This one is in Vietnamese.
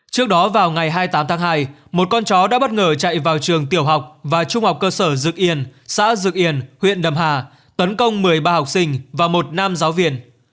trước đó vào ngày hai mươi tám tháng hai một con chó đã bất ngờ chạy vào trường tiểu học và trung học cơ sở dực yên xã dực yên huyện đầm hà tấn công một mươi ba học sinh và một nam giáo viên